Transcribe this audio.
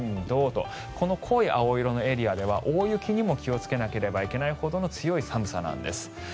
土とこの濃い青色のエリアは大雪にも気をつけなければいけないほどの強い寒さなんです。